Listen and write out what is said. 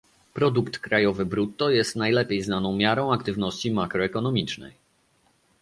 Produkt krajowy brutto jest najlepiej znaną miarą aktywności makroekonomicznej